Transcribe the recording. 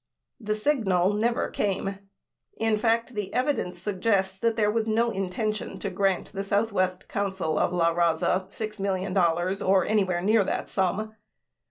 76 The signal never came. In fact, the evidence suggests that there was no intention to grant the Southwest Council of LaRaza $6 million or anywhere near that sum.